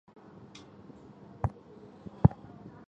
毛柱瑞香为瑞香科瑞香属下的一个变种。